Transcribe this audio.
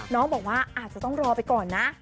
น้องบอกว่าอาจจะต้องรอไปก่อนนะ